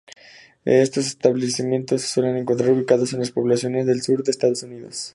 Estos establecimientos se suelen encontrar ubicados en las poblaciones del sur de Estados Unidos.